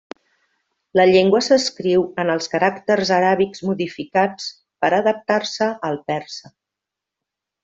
La llengua s'escriu en els caràcters aràbics modificats per adaptar-se al persa.